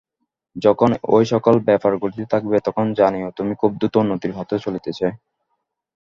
যখন এই-সকল ব্যাপার ঘটিতে থাকিবে, তখন জানিও তুমি খুব দ্রুত উন্নতির পথে চলিতেছ।